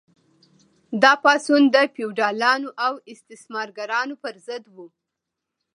دا پاڅون د فیوډالانو او استثمارګرانو پر ضد و.